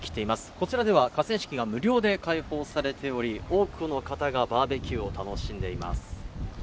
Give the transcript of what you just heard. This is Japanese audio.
こちらでは河川敷が無料で開放されており、多くの方がバーベキューを楽しんでいます。